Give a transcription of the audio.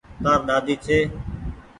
تآر ۮاۮي ڇي۔